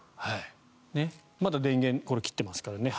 まだ電源切ってますからね。